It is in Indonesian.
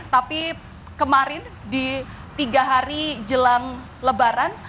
tapi kemarin di tiga hari jelang lebaran